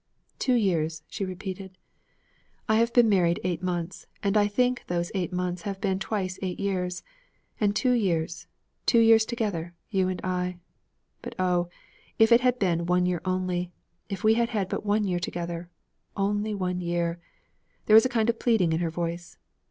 'Two years,' she repeated. 'I have been married eight months; and I think those eight months have been twice eight years. And two years, two years together, you and I! But oh, if it had been one year only; if we had had but one year together! Only one year!' There was a kind of pleading in her voice.